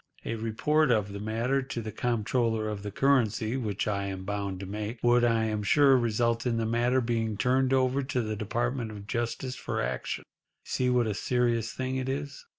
A report of the matter to the Comptroller of the Currency—which I am bound to make—would, I am sure, result in the matter being turned over to the Department of Justice for action. You see what a serious thing it is."